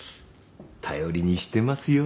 頼りにしてますよ。